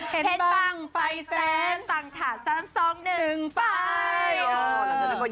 เห็นบ้างไฟแสนตั้งถาด๓๒๑ไป